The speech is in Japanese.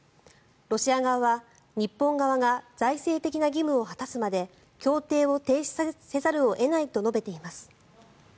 ロシア側は、日本側が財政的な義務を果たすまで協定を停止せざるを得ないと述べています。